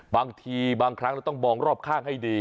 บางทีบางครั้งเราต้องมองรอบข้างให้ดี